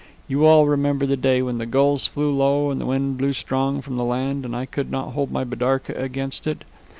You all remember the day, when the gulls flew low, and the wind blew strong from the land, and I could not hold my bidarka against it.